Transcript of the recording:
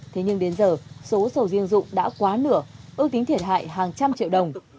thế nhưng đến giờ số sầu riêng rụng đã quá nửa ước tính thiệt hại hàng trăm triệu đồng